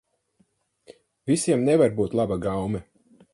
Visiem nevar būt laba gaume.